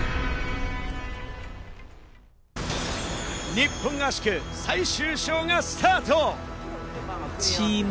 日本合宿最終章がスタート。